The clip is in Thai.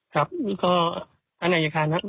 ครับท่านอาญาคารครับ